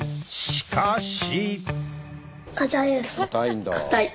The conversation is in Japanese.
しかし。